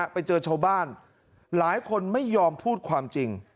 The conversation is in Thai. ไปเจอชาวบ้านหลายคนไม่ยอมพูดความจริง